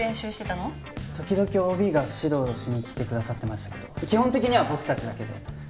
時々ＯＢが指導しに来てくださってましたけど基本的には僕たちだけで。